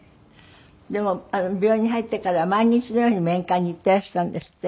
でも病院に入ってからは毎日のように面会に行ってらしたんですって？